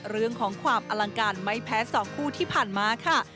เรื่องของความอลังการไม่แพ้๒คู่ที่ผ่านมาค่ะ